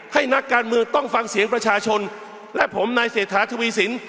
นักการเมืองต้องฟังเสียงประชาชนและผมนายเศรษฐาทวีสิน